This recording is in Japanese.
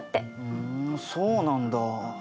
ふんそうなんだ。